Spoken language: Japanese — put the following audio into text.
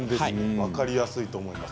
分かりやすいと思います。